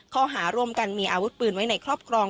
ข้อหาร่วมกันมีอาวุธปืนไว้ในครอบครอง